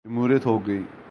جمہوریت ہو گی۔